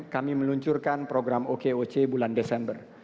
kami meluncurkan program okoc bulan desember